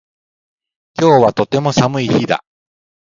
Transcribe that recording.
今日はとても寒い日だ